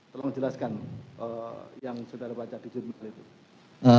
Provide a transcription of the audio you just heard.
tolong jelaskan yang sudah dipacat di jurnal itu